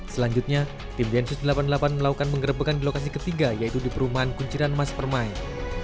selanjutnya tim densus delapan puluh delapan melakukan pengerebekan di lokasi ketiga yaitu di perumahan kunci rantangerang